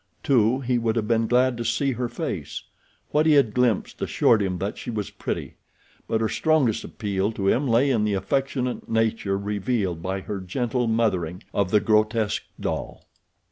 Too, he would have been glad to see her face. What he had glimpsed assured him that she was pretty; but her strongest appeal to him lay in the affectionate nature revealed by her gentle mothering of the grotesque doll.